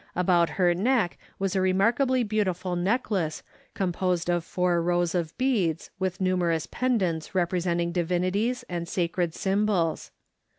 About her neck was a remarkably beautiful necklace composed of four rows of beads with numerous pendants representing divinities and sacred symbols.